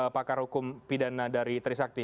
pakar hukum pidana dari trisakti